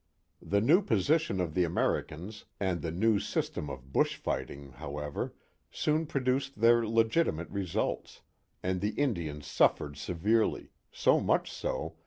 The new position of the Americans, and the new system of bush fighting, however, soon produced their Icgili ' mate results, and the Indians suffered severely, so much so.